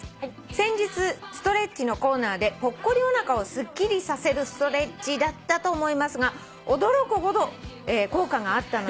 「先日ストレッチのコーナーでぽっこりおなかをすっきりさせるストレッチだったと思いますが驚くほど効果があったので」